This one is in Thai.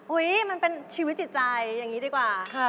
มันเป็นชีวิตจิตใจอย่างนี้ดีกว่า